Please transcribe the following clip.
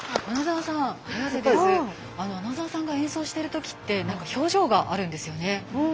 穴澤さんが演奏してるときって表情があるんですよね。